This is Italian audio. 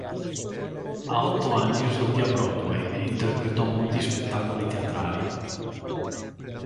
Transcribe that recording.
A otto anni esordì a Broadway e interpretò molti spettacoli teatrali.